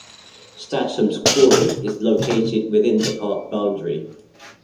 Statham's Quarry is located within the park boundary.